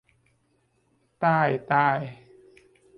ต่ายตาย